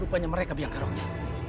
rupanya mereka yang geroknya